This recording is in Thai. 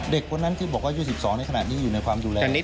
เด็กคนนั้นที่บอกว่าอายุ๑๒ในขณะนี้อยู่ในความดูแล